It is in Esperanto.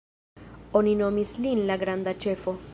Oni nomis lin la »Granda Ĉefo«.